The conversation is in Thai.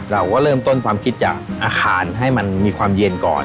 เราก็เริ่มต้นความคิดจากอาคารให้มันมีความเย็นก่อน